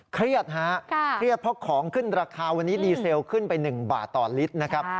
เครียดฮะเครียดเพราะของขึ้นราคาวันนี้ดีเซลขึ้นไป๑บาทต่อลิตรนะครับ